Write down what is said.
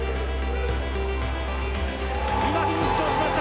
今フィニッシュをしました！